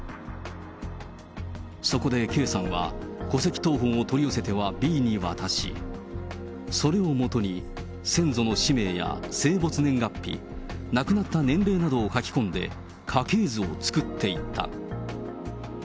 そこでＫさんは、戸籍謄本を取り寄せてはＢに渡し、それを基に先祖の氏名や生没年月日、亡くなった年齢などを書き込んで、家系図を作っていった。